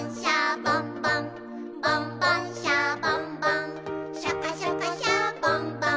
「ボンボン・シャボン・ボンシャカシャカ・シャボン・ボン」